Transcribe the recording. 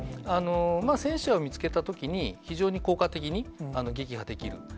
戦車を見つけたときに、非常に効果的に撃破できる。